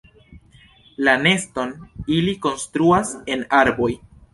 La neston ili konstruas en arboj.